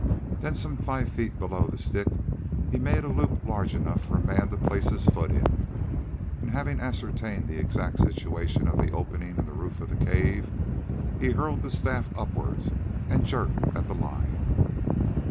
Then some five feet below the stick he made a loop large enough for a man to place his foot in, and having ascertained the exact situation of the opening in the roof of the cave, he hurled the staff upwards and jerked at the line.